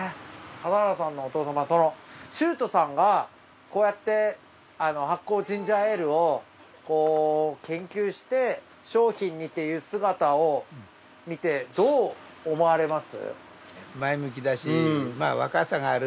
笠原さんのお父様と周東さんがこうやって発酵ジンジャーエールを研究して商品にっていう姿を見てどう思われます？